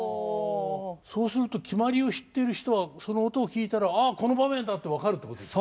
そうすると決まりを知っている人はその音を聴いたら「あっこの場面だ」って分かるってことですか？